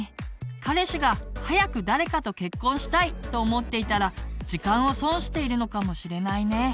彼氏が「早く誰かと結婚したい」と思っていたら時間を損しているのかもしれないね。